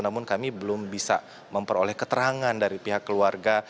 namun kami belum bisa memperoleh keterangan dari pihak keluarga